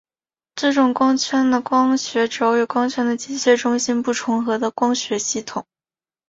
这种光圈的光学轴与光圈的机械中心不重合的光学系统。